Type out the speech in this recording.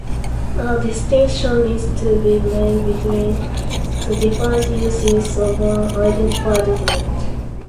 A distinction needs to be made between the different uses of an identity document.